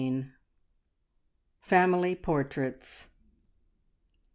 FAMILY PORTRAITS.